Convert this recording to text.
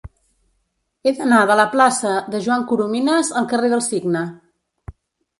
He d'anar de la plaça de Joan Coromines al carrer del Cigne.